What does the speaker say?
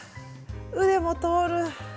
腕も通る。